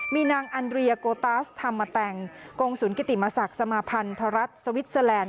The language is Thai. มีนางอันเรียโกตัสธรรมแตงกงศุลกิติมศักดิ์สมาพันธรัฐสวิสเตอร์แลนด์